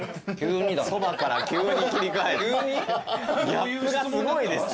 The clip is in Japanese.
ギャップがすごいですよ。